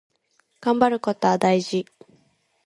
がんばることは大事。